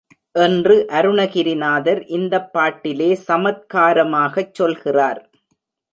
என்று அருணகிரிநாதர் இந்தப் பாட்டிலே சமத்காரமாகச் சொல்கிறார்.